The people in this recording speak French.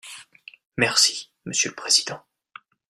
Merci, monsieur le président.